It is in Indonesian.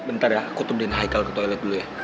bentar ya aku tumdin haikal ke toilet dulu ya